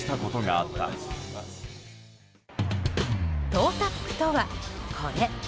トウタップとは、これ。